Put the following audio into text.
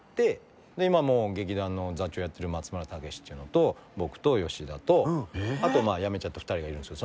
今劇団の座長やってる松村武っていうのと僕と吉田とあとやめちゃった２人がいるんですけど。